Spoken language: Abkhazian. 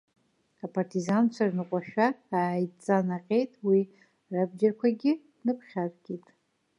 Апартизанцәа рныҟәашәа ааиҵанаҟьеит уи, рабџьарқәагьы ныԥхьаркит.